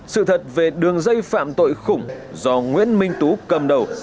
sự thật về đường dây phạm tội khủng do nguyễn minh tú cầm đầu